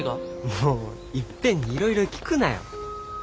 もういっぺんにいろいろ聞くなよ。